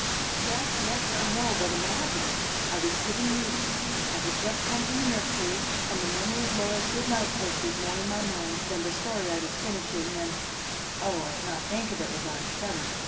"Yes, yes, I know; but imagine! I was sitting reading. I had just come from the nursery, and the memory of Laura's good night kiss was more in my mind than the story I was finishing when oh, I can not think of it without a shudder!